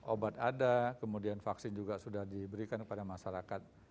obat ada kemudian vaksin juga sudah diberikan kepada masyarakat